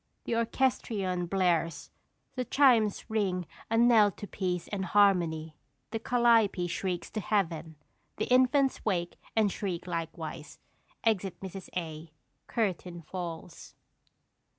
The orchestrion blares, the chimes ring a knell to peace and harmony, the calliope shrieks to heaven. The infants wake and shriek likewise. Exit Mrs. A. Curtain falls.